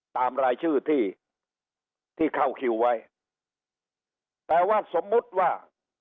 ตามรายชื่อที่ที่เข้าคิวไว้แต่ว่าสมมุติว่า